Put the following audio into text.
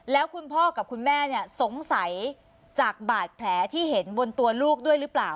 แล้วคุณพ่อกับคุณแม่เนี่ยสงสัยจากบาดแผลที่เห็นบนตัวลูกด้วยหรือเปล่า